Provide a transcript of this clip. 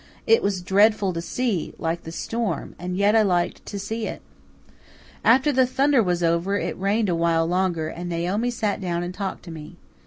It was dreadful to see, like the storm, and yet I liked to see it. "After the thunder was over it rained a while longer, and Naomi sat down and talked to me.